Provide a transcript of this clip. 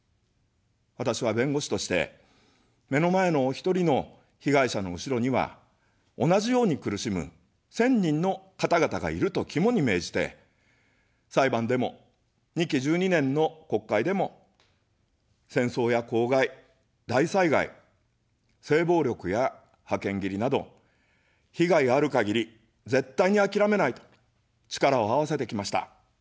私は弁護士として、目の前のお一人の被害者の後ろには、同じように苦しむ１０００人の方々がいると肝に銘じて、裁判でも、２期１２年の国会でも、戦争や公害、大災害、性暴力や派遣切りなど、被害がある限り、絶対にあきらめないと、力をあわせてきました。